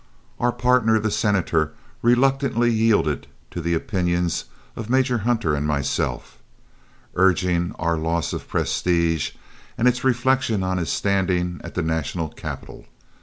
Our partner the Senator reluctantly yielded to the opinions of Major Hunter and myself, urging our loss of prestige and its reflection on his standing at the national capital.